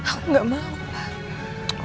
aku gak mau pak